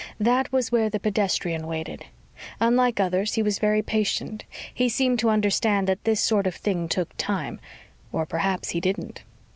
That was where the pedestrian waited. Unlike others, he was very patient. He seemed to understand that this sort of thing took time; or perhaps he didn't.